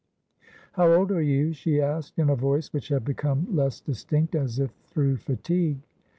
"How old are you?" she asked, in a voice which had become less distinct, as if through fatigue.